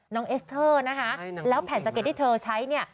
เอสเตอร์นะคะแล้วแผ่นสะเก็ดที่เธอใช้เนี่ย